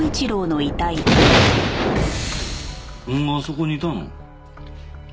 お前あそこにいたの？